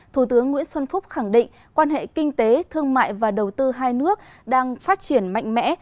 thủ tướng nguyễn xuân phúc khẳng định quan hệ kinh tế thương mại và đầu tư hai nước đang phát triển mạnh mẽ